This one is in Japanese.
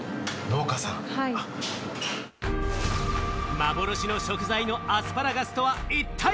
幻の食材のアスパラガスとは一体？